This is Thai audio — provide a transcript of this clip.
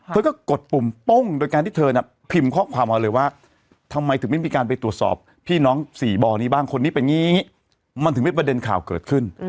เธอก็กดปุ่มโป้งโดยการที่เธอน่ะพิมพ์ข้อความมาเลยว่าทำไมถึงไม่มีการไปตรวจสอบพี่น้องสี่บ่อนี้บ้างคนนี้เป็นอย่างนี้อย่างนี้มันถึงเป็นประเด็นข่าวเกิดขึ้น